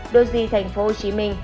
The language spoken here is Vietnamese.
đô di tp hcm